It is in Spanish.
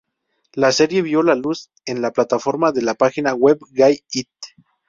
La serie, vio la luz en la plataforma de la página web Gay.it.